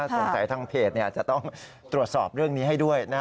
ทางเพจจะต้องตรวจสอบเรื่องนี้ให้ด้วย